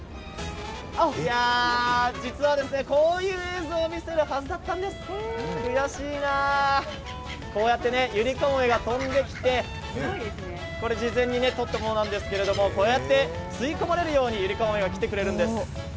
実はこういう映像を見せるはずだったんです、悔しいなあこうやってユリカモメが飛んできて事前に撮ったものなんですけどこうやって吸い込まれるようにユリカモメが来てくれるんです。